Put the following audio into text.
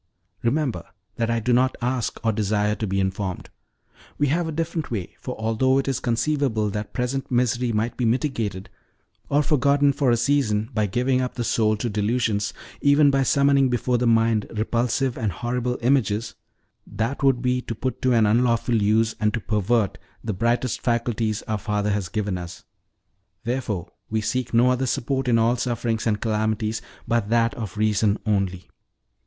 Remember that I do not ask or desire to be informed. We have a different way; for although it is conceivable that present misery might be mitigated, or forgotten for a season, by giving up the soul to delusions, even by summoning before the mind repulsive and horrible images, that would be to put to an unlawful use, and to pervert, the brightest faculties our Father has given us: therefore we seek no other support in all sufferings and calamities but that of reason only.